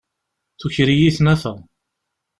Tuker-iyi tnafa.